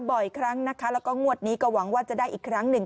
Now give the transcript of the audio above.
บ่อยครั้งนะคะแล้วก็งวดนี้ก็หวังว่าจะได้อีกครั้งหนึ่ง